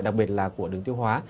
đặc biệt là của đường tiêu hóa